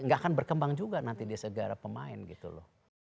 gak akan berkembang juga nanti di segara pemain gitu loh